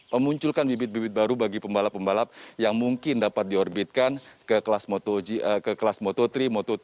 memunculkan bibit bibit baru bagi pembalap pembalap yang mungkin dapat diorbitkan ke kelas moto tiga moto tiga